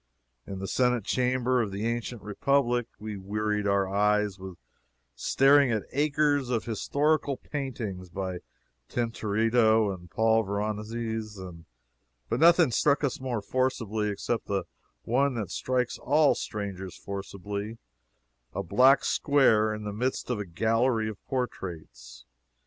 In the Senate Chamber of the ancient Republic we wearied our eyes with staring at acres of historical paintings by Tintoretto and Paul Veronese, but nothing struck us forcibly except the one thing that strikes all strangers forcibly a black square in the midst of a gallery of portraits.